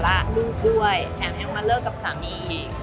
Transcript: แม่อยู่คนเดียวแล้วลูกด้วยแม้แม้มาเลิกกับสามี